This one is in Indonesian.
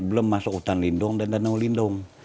belum masuk hutan lindung dan danau lindung